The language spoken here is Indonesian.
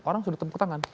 orang sudah ditemukan